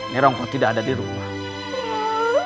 ngerongkot tidak ada di rumah